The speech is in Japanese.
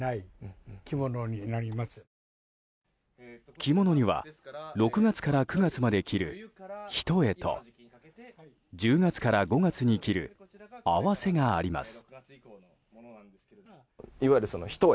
着物には６月から９月まで着る単衣と１０月から５月に切る袷があります。